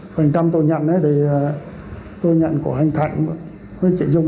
phần trăm tôi nhận thì tôi nhận của anh thạnh với chị dung